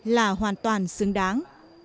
là hoàn toàn xứng đáng